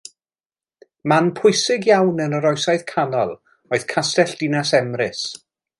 Man pwysig iawn yn yr Oesoedd Canol oedd Castell Dinas Emrys.